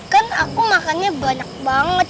kan aku makannya banyak banget